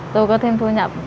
tôi có thêm thu nhập